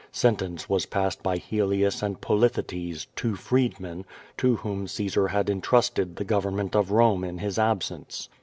Sentence was passed by Helius and Polythetes, two freedmen, to whom Caesar had intrusted the government of Rome in his absence.